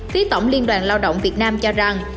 phía tổng liên đoàn lao động việt nam cho rằng